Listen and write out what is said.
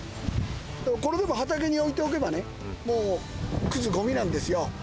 これでも畑に置いておけばね、もうくず、ごみなんですよ。